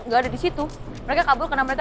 nggak ada di situ mereka kabur karena mereka